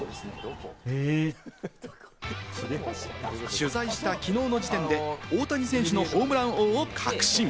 取材したきのうの時点で大谷選手のホームラン王を確信。